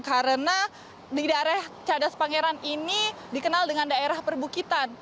karena di daerah cadas pangeran ini dikenal dengan daerah perbukitan